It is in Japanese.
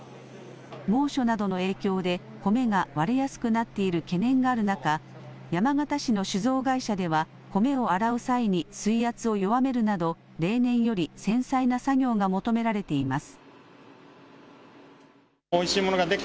猛暑などの影響で、米が割れやすくなっている懸念がある中、山形市の酒造会社では、米を洗う際に水圧を弱めるなど、例年より繊細な作業が求められています。